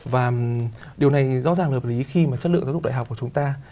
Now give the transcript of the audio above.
và điều này rõ ràng hợp lý khi mà chất lượng giáo dục đại học của chúng ta